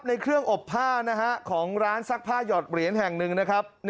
ในเครื่องอบผ้าของร้านซักผ้าหยอดเหรียญแห่งหนึ่งนะครับ